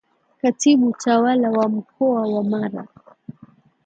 Katibu Tawala wa Mkoa wa Mara